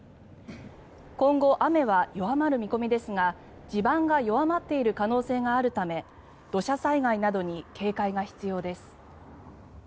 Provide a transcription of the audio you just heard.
今後、雨は弱まる見込みですが地盤が弱まっている可能性があるため土砂災害などに警戒が必要です。